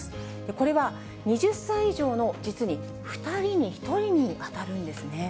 これは２０歳以上の実に２人に１人に当たるんですね。